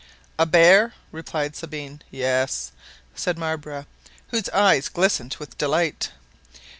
"A bear?" replied Sabine. "Yes," said Marbre, whose eyes glistened with delight.